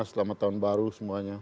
selamat tahun baru semuanya